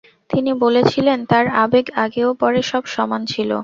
তিনি বলেছিলেন, তার আবেগ আগে ও পরে সব সমান ছিল।